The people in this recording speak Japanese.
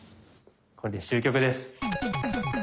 これで終局です。